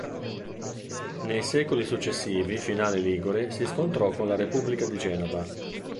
Nei secoli successivi Finale Ligure si scontrò con la Repubblica di Genova.